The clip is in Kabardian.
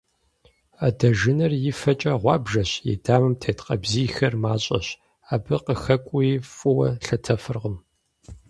Адэжынэр и фэкӏэ гъуабжэщ, и дамэм тет къабзийхэр мащӏэщ, абы къыхэкӏууи фӏыуэ лъэтэфыркъым.